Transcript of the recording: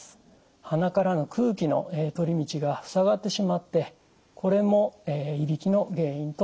鼻からの空気の通り道がふさがってしまってこれもいびきの原因となります。